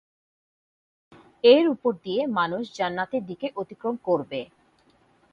এর উপর দিয়ে মানুষ জান্নাতের দিকে অতিক্রম করবে।